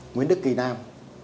nguyễn đức kỳ nam